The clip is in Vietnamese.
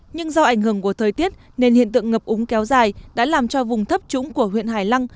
nhưng do ảnh hưởng của thời tiết nên hiện tượng ngập úng kéo dài đã làm cho vùng thấp trũng của huyện hải lăng